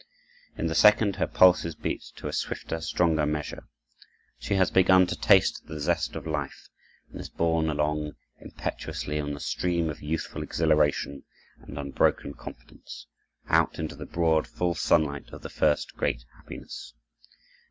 In the second, her pulses beat to a swifter, stronger measure. She has begun to taste the zest of life and is borne along impetuously on the stream of youthful exhilaration and unbroken confidence, out into the broad, full sunlight of the first great happiness.